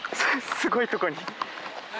すごいとこに。